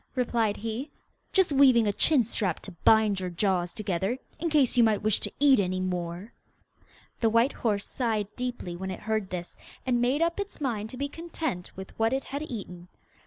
replied he. 'Just weaving a chin strap to bind your jaws together, in case you might wish to eat any more!' The white horse sighed deeply when it heard this, and made up its mind to be content with what it had eaten.